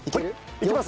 いけます！